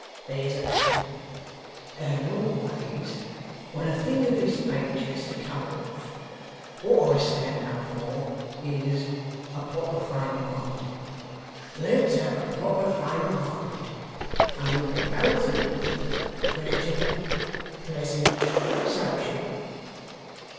There's a pattern! And always, when a thing of this natur's to come off, what I stand up for, is, a proper frame of mind. Let's have a proper frame of mind, and we can go through with it, creditable pleasant sociable.